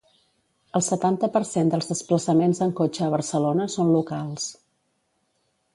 El setanta per cent dels desplaçaments en cotxe a Barcelona són locals.